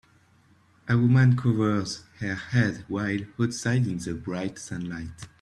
A woman covers her head while outside in the bright sunlight.